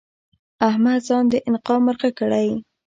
احمد ځان د انقا مرغه کړی؛